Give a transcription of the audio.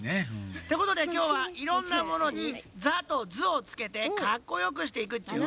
ってことできょうはいろんなものに「ザ」と「ズ」をつけてかっこよくしていくっちよ。